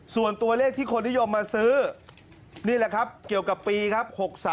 ส่วนตัวเลขที่คนนิยมมาซื้อนี่แหละครับเกี่ยวกับปีครับ๖๓